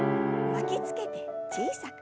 巻きつけて小さく。